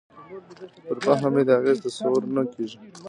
پر فهم یې د اغېز تصور نه کېږي.